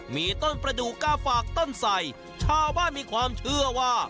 มีต้นประดูก้าฝากต้นใส่ชาวบ้านมีความเชื่อว่า